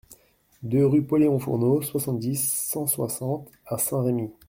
deux rue Pauléon Fournot, soixante-dix, cent soixante à Saint-Remy